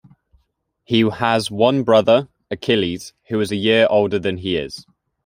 He has one brother, Achilles, who is a year older than he is.